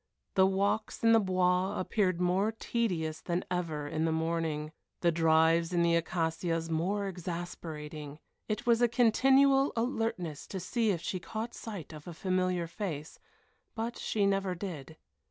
The walks in the Bois appeared more tedious than ever in the morning, the drives in the Acacias more exasperating. It was a continual alertness to see if she caught sight of a familiar face, but she never did.